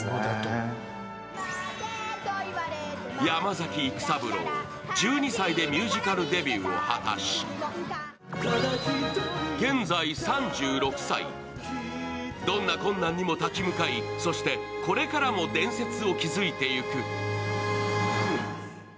山崎育三郎、１２歳でミュージカルデビューを果たし、現在３６歳、どんな困難にも立ち向かい、そしてこれからも伝説を築いていく。